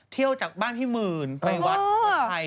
เที่ยวจากบ้านพี่หมื่นไปวัดไทย